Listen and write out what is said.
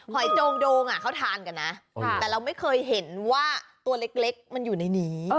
หอยโจงโดงเขาทานกันนะแต่เราไม่เคยเห็นว่าตัวเล็กมันอยู่ในนี้